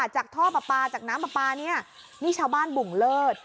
จากท่อปลาปลาจากน้ำปลาปลานี่นี่ชาวบ้านบุ่งเลิศ